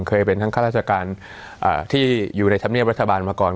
เคยเป็นทั้งข้าราชการที่อยู่ในธรรมเนียบรัฐบาลมาก่อน